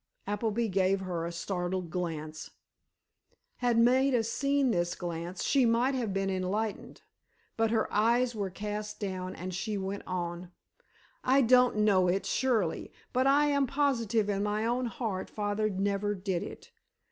Appleby gave her a startled glance. Had Maida seen this glance, she might have been enlightened. But her eyes were cast down, and she went on: "I don't know it surely, but I am positive in my own heart father never did it.